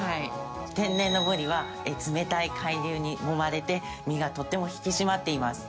天然のぶりは冷たい海流にもまれて身がとても引き締まっています。